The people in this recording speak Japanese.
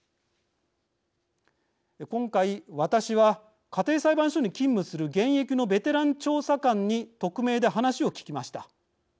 今回私は家庭裁判所に勤務する現役のベテラン調査官に匿名で話を聞きました。